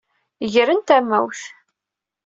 Gren tamawt.